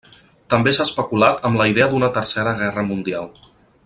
També s'ha especulat amb la idea d'una Tercera Guerra Mundial.